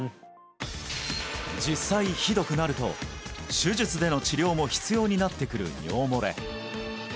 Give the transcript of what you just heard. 実際ひどくなると手術での治療も必要になってくる尿漏れ